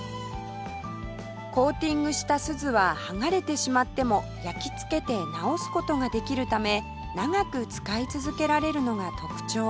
コーティングした錫は剥がれてしまっても焼き付けて直す事ができるため長く使い続けられるのが特徴